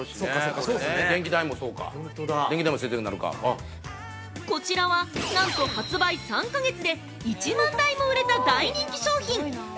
◆こちらはなんと、発売３か月で１万台も売れた、大人気商品！！